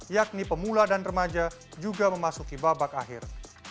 yakni pemula dan remaja juga memasuki babak akhir